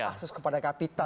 akses kepada kapital